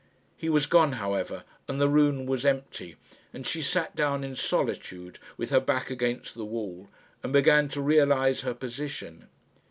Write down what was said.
He was gone, however, and the room was empty, and she sat down in solitude, with her back against the wall, and began to realise her position.